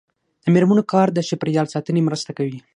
د میرمنو کار د چاپیریال ساتنې مرسته کوي.